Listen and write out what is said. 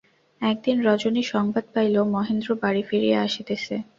একদিন রজনী সংবাদ পাইল মহেন্দ্র বাড়ি ফিরিয়া আসিতেছে।